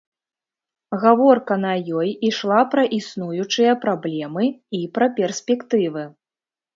Гаворка на ёй ішла пра існуючыя праблемы і пра перспектывы.